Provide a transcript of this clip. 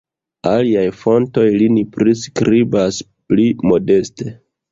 Aliaj fontoj lin priskribas pli modeste.